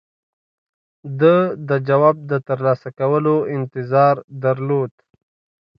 ده د جواب د ترلاسه کولو انتظار درلود.